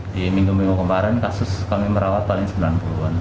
di minggu minggu kemarin kasus kami merawat paling sembilan puluh an